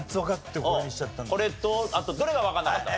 これとあとどれがわかんなかったの？